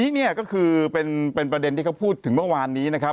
นี่ก็คือเป็นประเด็นที่เขาพูดถึงเมื่อวานนี้นะครับ